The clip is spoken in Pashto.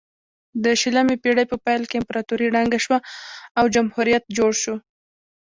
د شلمې پیړۍ په پیل کې امپراتوري ړنګه شوه او جمهوریت جوړ شو.